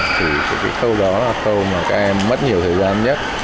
thì cái câu đó là câu mà các em mất nhiều thời gian nhất